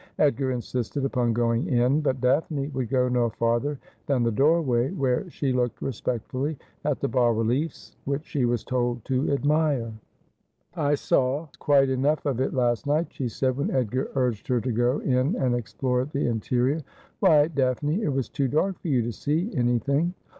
Edgar insisted upon going in, but Daphne would go no farther than the doorway, where she looked respectfully at the bas reliefs which she was told to admire. 'I mmj not don as every Ploughman may.'' 299 ' I saw quite enough of it last night,' she said, when Edgar urged her to go in and explore the interior. ' Why, Daphne, it was too dark for you to see anything.'